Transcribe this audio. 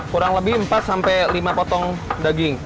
kurang lebih empat sampai lima potong daging